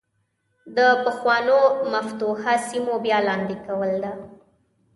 د پخوانو مفتوحه سیمو بیا لاندې کول ده.